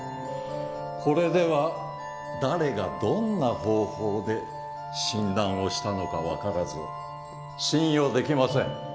これでは誰がどんな方法で診断をしたのか分からず信用できません。